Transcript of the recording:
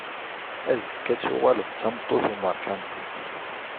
Azekka ad tuɣaleḍ d tameṭṭut n umarkanti.